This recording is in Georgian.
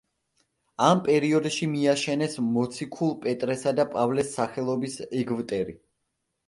ამ პერიოდში მიაშენეს მოციქულ პეტრესა და პავლეს სახელობის ეგვტერი.